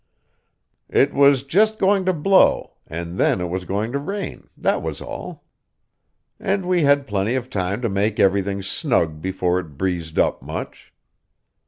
It was just going to blow, and then it was going to rain, that was all; and we had plenty of time to make everything snug before it breezed up much.